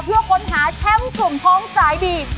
เพื่อค้นหาแชมป์สุ่มพองสายบีด